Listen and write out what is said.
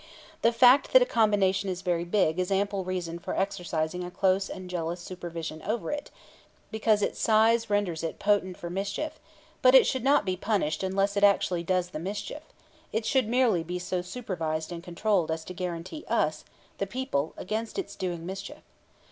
The fact that a combination is very big is ample reason for exercising a close and jealous supervision over it, because its size renders it potent for mischief; but it should not be punished unless it actually does the mischief; it should merely be so supervised and controlled as to guarantee us, the people, against its doing mischief.